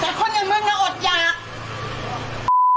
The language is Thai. กัมง์เคยไม่เป้าหมาย